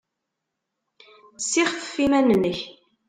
Ssixfef iman-nnek!